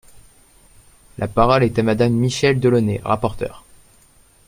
La parole est à Madame Michèle Delaunay, rapporteure.